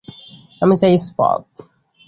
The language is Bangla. আমি চাই ইস্পাত।